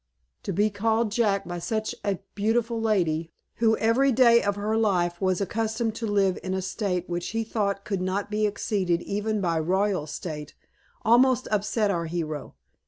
To be called Jack by such a beautiful lady, who every day of her life was accustomed to live in a state which he thought could not be exceeded, even by royal state, almost upset our hero.